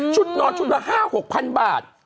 ชุดนอนชุดละ๕๖พันบาท